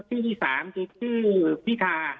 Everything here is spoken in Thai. ซึ่งที่สามก็คือพิธา